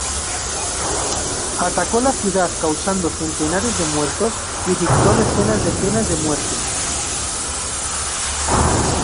Atacó la ciudad, causando centenares de muertos, y dictó decenas de penas de muerte.